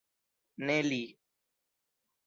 Ne li.